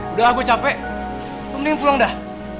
udah lah gue capek lo mendingin pulang dah